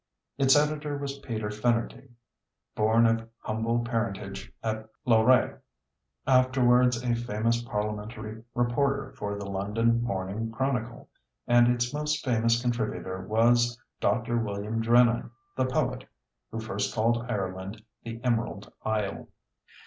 Its editor was Peter Finnerty, born of humble parentage at Loughrea, afterwards a famous parliamentary reporter for the London Morning Chronicle, and its most famous contributor was Dr. William Drennan, the poet, who first called Ireland "the Emerald Isle."